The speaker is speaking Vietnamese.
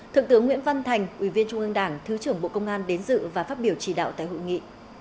thượng tướng nguyễn văn thành ủy viên trung ương đảng thứ trưởng bộ công an đến dự và phát biểu chỉ đạo tại hội nghị